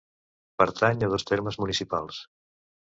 Pertany a dos termes municipals: